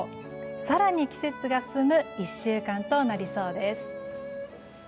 更に季節が進む１週間となりそうです。